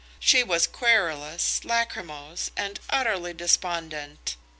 She was querulous, lachrymose, and utterly despondent.